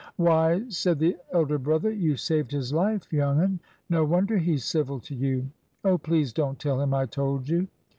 "Why," said the elder brother, "you saved his life, young 'un. No wonder he's civil to you!" "Oh, please don't tell him I told you."